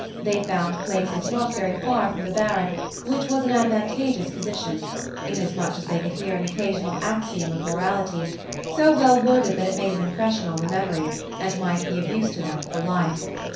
They found places not very far from the Baron, which was an advantageous position, inasmuch as they could hear an occasional axiom of morality, so well worded that it made an impression on the memory, and might be of use to them for life.